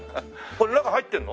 これ中入ってるの？